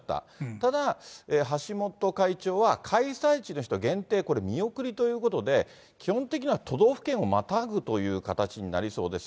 ただ、橋本会長は、開催地の人限定、これ見送りということで、基本的には都道府県をまたぐという形になりそうです。